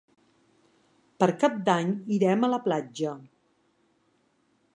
Per Cap d'Any irem a la platja.